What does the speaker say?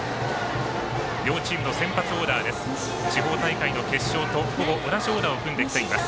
両チームの先発オーダーです。